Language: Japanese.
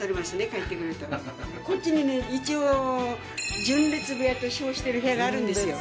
帰ってくるとこっちにね一応純烈部屋と称してる部屋があるんですよ